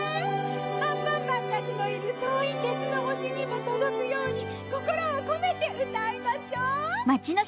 アンパンマンたちのいるとおいてつのほしにもとどくようにこころをこめてうたいましょう！